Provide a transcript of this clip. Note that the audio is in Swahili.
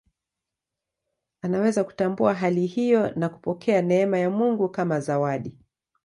Anaweza kutambua hali hiyo na kupokea neema ya Mungu kama zawadi.